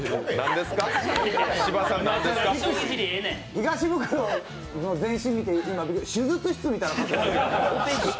東ブクロの全身見て手術室みたいな。